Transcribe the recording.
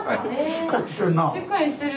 しっかりしてる。